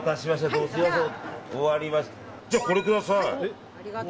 どうもすみません。